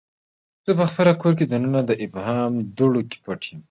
زه پخپل کور کې دننه د ابهام دوړو کې پټه